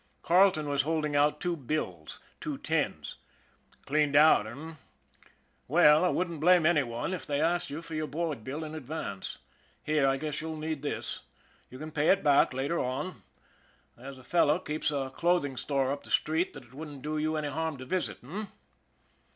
Carleton was holding out two bills two tens. " Cleaned out, eh ? Well, I wouldn't blame any one if they asked you for your board bill in advance. Here, I guess you'll need this. You can pay it back later on. There's a fellow keeps a clothing store up the street that it wouldn't do you any harm to visit h'm